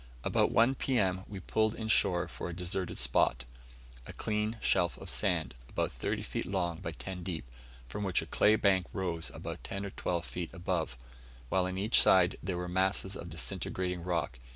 About 1 P.M., we pulled in shore for a deserted spot a clean shelf of sand, about thirty feet long by ten deep, from which a clay bank rose about ten or twelve feet above, while on each side there were masses of disintegrated rock.